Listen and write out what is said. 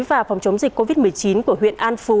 và phòng chống dịch covid một mươi chín của huyện an phú